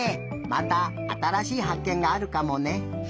またあたらしいはっけんがあるかもね。